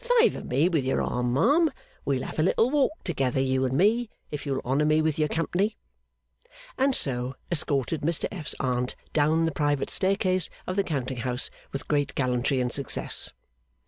Favour me with your arm, ma'am; we'll have a little walk together, you and me, if you'll honour me with your company.' And so escorted Mr F.'s Aunt down the private staircase of the counting house with great gallantry and success.